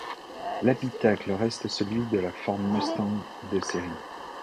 L'habitacle reste celui de la Ford Mustang de série.